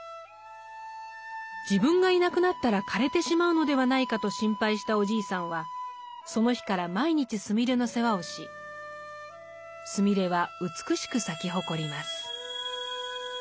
自分がいなくなったら枯れてしまうのではないかと心配したおじいさんはその日から毎日スミレの世話をしスミレは美しく咲き誇ります。